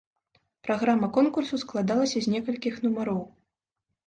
Праграма конкурсу складалася з некалькіх нумароў.